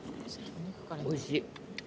おいしい。